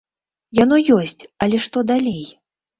Яно ёсць, але што далей?